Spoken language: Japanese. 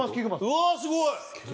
うわーすごい！